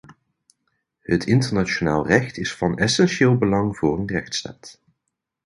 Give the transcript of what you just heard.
Het internationaal recht is van essentieel belang voor een rechtsstaat.